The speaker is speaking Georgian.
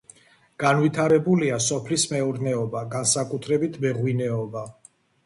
განვითარებულია სოფლის მეურნეობა, განსაკუთრებით მეღვინეობა.